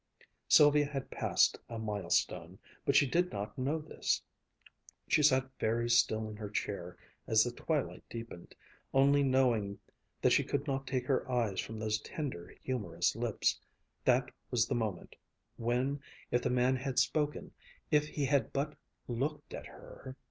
Sylvia had passed a milestone. But she did not know this. She sat very still in her chair as the twilight deepened, only knowing that she could not take her eyes from those tender, humorous lips. That was the moment when if the man had spoken, if he had but looked at her